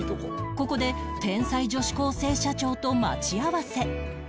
ここで天才女子高生社長と待ち合わせ